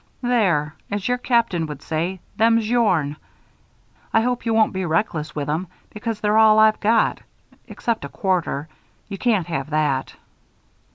"There, as your Captain would say, 'Them's yourn.' I hope you won't be reckless with 'em because they're all I've got except a quarter. You can't have that."